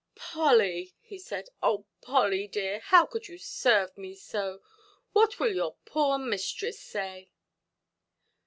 "Polly", he said, "oh, Polly dear, how could you serve me so? What will your poor mistress say"?